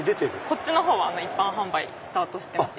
こっちのほうは一般販売スタートしてます。